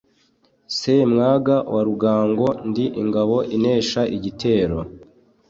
Semwaga wa Rugango ndi ingabo inesha igitero